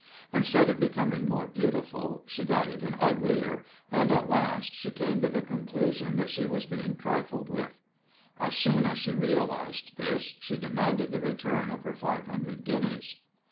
Instead of becoming more beautiful, she got even uglier, and at last she came to the conclusion that she was being trifled with. As soon as she realized this she demanded the return of her five hundred guineas.